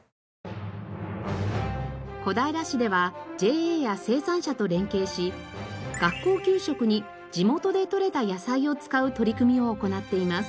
小平市ではＪＡや生産者と連携し学校給食に地元で採れた野菜を使う取り組みを行っています。